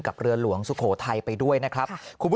เรือหลวงสุโขทัยไปด้วยนะครับ